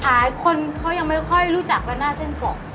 หลายคนเขายังไม่ค่อยรู้จักกันหน้าเส้นผม